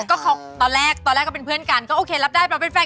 ก็ตอนแรกก็เป็นเพื่อนกันก็โอเครับได้เราเป็นแฟน